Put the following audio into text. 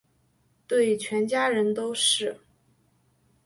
对全家人都是